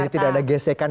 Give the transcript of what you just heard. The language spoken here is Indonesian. jadi tidak ada gesekan